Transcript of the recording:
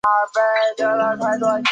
萨勒屈朗人口变化图示